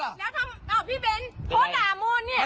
แล้วพี่เพ้นน่ะพี่เพิ้นพสดามูอนเนี่ย